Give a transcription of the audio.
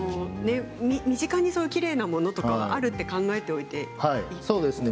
身近にきれいなものとかがあると考えておいていいですか？